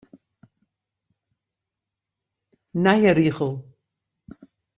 Nije rigel.